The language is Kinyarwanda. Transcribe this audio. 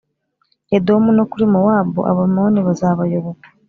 Edomu no kuri Mowabu Abamoni bazabayoboka